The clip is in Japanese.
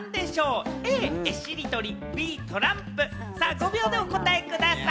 ５秒でお答えください。